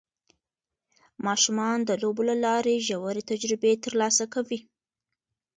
ماشومان د لوبو له لارې ژورې تجربې ترلاسه کوي